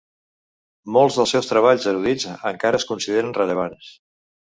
Molts dels seus treballs erudits encara es consideren rellevants.